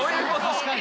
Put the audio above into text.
確かに。